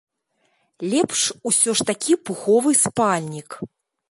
Лепш усё ж такі пуховы спальнік.